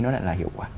nó lại là hiệu quả